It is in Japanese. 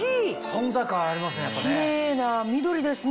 存在感ありますね。